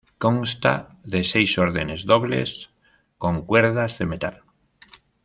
Consta de seis órdenes dobles con cuerdas de metal.